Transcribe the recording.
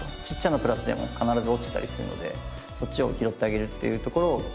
ちっちゃなプラスでも必ず落ちてたりするのでそっちを拾ってあげるっていうところを。